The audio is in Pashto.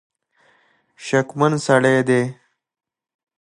شکمن سړي دي.